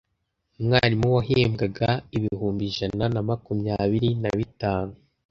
umwarimu wahembwaga ibihumbi ijana namakumyabiri nabitanu